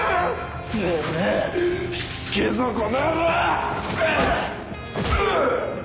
てめえしつけえぞこの野郎！